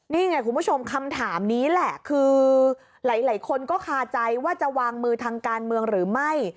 นี่ไงคุณผู้ชมคำถามนี้แหละคือหลายคนก็คาใจว่าจะวางมือทางการเมืองหรือไม่